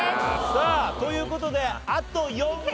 さあという事であと４問。